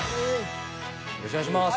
よろしくお願いします。